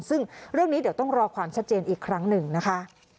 ซึ่งเรื่องนี้เดี๋ยวต้องรอความชัดเจนอีกครั้งหนึ่งนะคะ